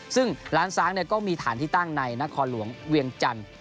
ซึ่งร้านซ้างก็มีฐานที่ตั้งในนครหลวงเวียงจันทร์